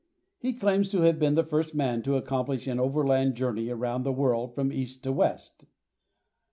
He claims to have been the first man to accomplish an overland journey around the world from east to west.